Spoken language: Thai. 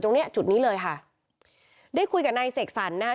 เนี้ยจุดนี้เลยค่ะได้คุยกับนายเสกสรรนะคะ